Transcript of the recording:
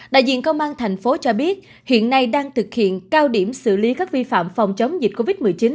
đại diện công an thành phố cho biết hiện nay đang thực hiện cao điểm xử lý các vi phạm phòng chống dịch covid một mươi chín